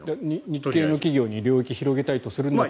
日本の企業に領域を広げたいとするなら。